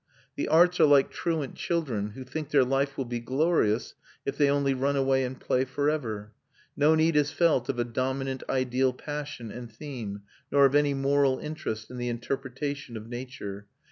The arts are like truant children who think their life will be glorious if they only run away and play for ever; no need is felt of a dominant ideal passion and theme, nor of any moral interest in the interpretation of nature.